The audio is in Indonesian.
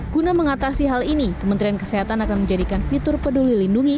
guna mengatasi hal ini kementerian kesehatan akan menjadikan fitur peduli lindungi